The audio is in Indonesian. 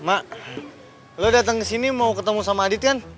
mak lo datang kesini mau ketemu sama adit kan